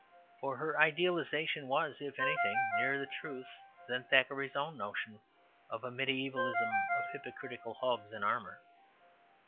For her idealization was, if anything, nearer the truth than Thackeray's own notion of a mediævalism of hypocritical hogs in armour.